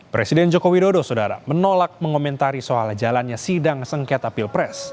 presiden joko widodo saudara menolak mengomentari soal jalannya sidang sengketa pilpres